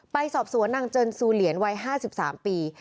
ไปสอบสวนนางเจินซูเหลียนวัย๕๓ปี